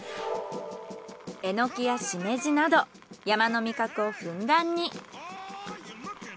エノキやシメジなど山の味覚をふんだんに。